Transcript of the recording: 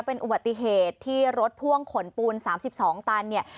เป็นอุบัติเหตุที่รถพ่วงขนปูน๓๒ตันเนี่ย